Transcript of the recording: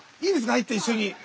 入って一緒に。